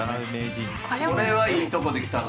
これはいいとこできたな。